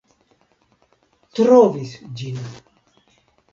Trovis ĝin .